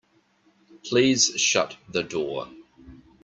Please shut the door.